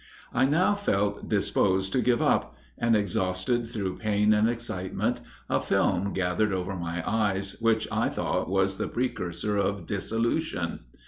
"I now felt disposed to give up; and, exhausted through pain and excitement, a film gathered over my eyes, which I thought was the precursor of dissolution.